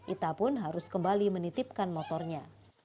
ita pun harus kembali menitipkan motornya